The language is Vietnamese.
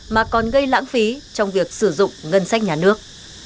mà còn gây lãng phí trong việc sử dụng ngân sách nhà nước